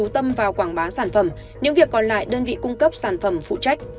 tâm vào quảng bá sản phẩm những việc còn lại đơn vị cung cấp sản phẩm phụ trách